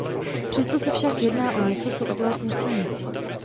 Přesto se však jedná o něco, co udělat musíme.